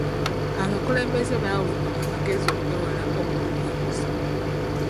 Abakulembeze baweebwa amagezi okwewala obuli bw'enguzi.